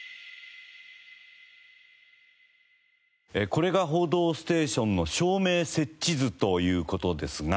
これが『報道ステーション』の照明設置図という事ですが。